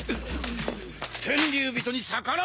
天竜人に逆らう気か！？